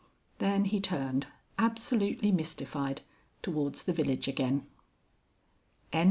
Then he turned, absolutely mystified, towards the village again. XXVII.